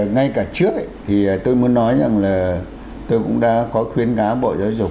ngay cả trước thì tôi muốn nói rằng là tôi cũng đã có khuyên gá bộ giáo dục